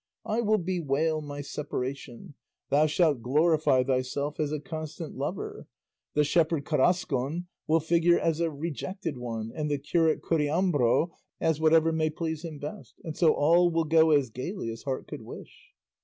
I will bewail my separation; thou shalt glorify thyself as a constant lover; the shepherd Carrascon will figure as a rejected one, and the curate Curiambro as whatever may please him best; and so all will go as gaily as heart could wish."